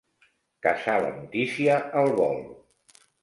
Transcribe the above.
Caçar la notícia al vol.